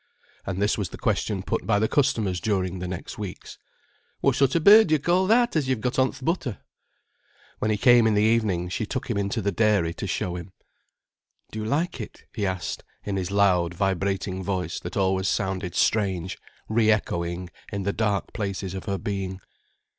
And this was the question put by the customers during the next weeks. "What sort of a bird do you call that, as you've got on th' butter?" When he came in the evening, she took him into the dairy to show him. "Do you like it?" he asked, in his loud, vibrating voice that always sounded strange, re echoing in the dark places of her being.